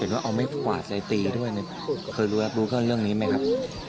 เห็นว่าเอาไม่ขวาใจตีด้วยนะครับเคยรู้เรื่องนี้ไหมครับ